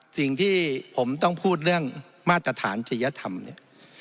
สิ่งที่ผมต้องพูดเรื่องมาตรฐานจริยธรรมเนี่ย